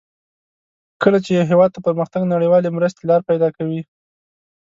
کله چې یو هېواد ته پرمختګ نړیوالې مرستې لار پیداکوي.